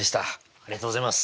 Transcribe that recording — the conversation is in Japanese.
ありがとうございます。